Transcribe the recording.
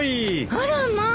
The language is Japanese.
あらまあ